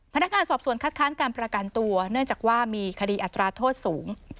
พนักงานสอบสวนคัดค้านการประกันตัวเนื่องจากว่ามีคดีอัตราโทษสูง